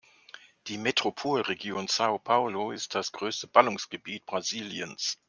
Die Metropolregion São Paulo ist das größte Ballungsgebiet Brasiliens.